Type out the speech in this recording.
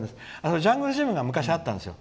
ジャングルジムが昔あったんですよ。